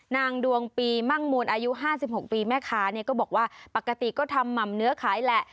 นางดวงปีมั่งมูลอายุ๕๖ปีแม่ค้าเนี่ยก็บอกว่าปกติก็ทำหม่ำเนื้อขายแหละ